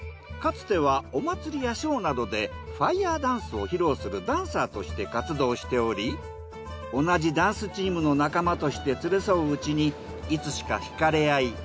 かつてはお祭りやショーなどでファイヤーダンスを披露するダンサーとして活動しており同じダンスチームの仲間として連れ添ううちにいつしか惹かれあい